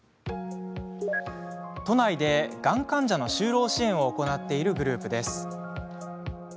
都内でがん患者の就労支援を行っているグループです。